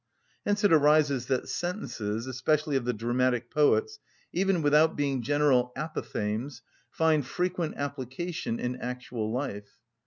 Hence it arises that sentences, especially of the dramatic poets, even without being general apophthegms, find frequent application in actual life.